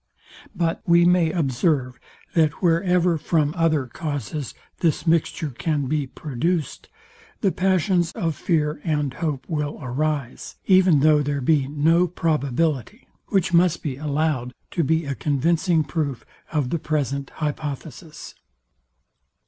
But we may observe, that wherever from other causes this mixture can be produced, the passions of fear and hope will arise, even though there be no probability; which must be allowed to be a convincing proof of the present hypothesis.